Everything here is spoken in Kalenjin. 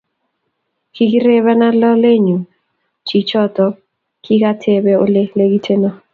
Kikirepena lolenyu chichotok kikatepee ole legiteno.